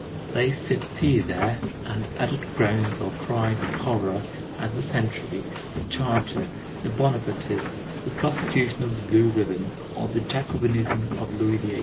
They sipped tea there, and uttered groans or cries of horror at the century, the charter, the Bonapartists, the prostitution of the blue ribbon, or the Jacobinism of Louis XVIII.